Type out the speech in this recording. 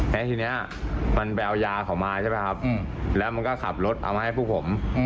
มันไปเอายาเหมาะมาใช่เปล่าแล้วมันก็ขับรถเอามาให้ผู้ผม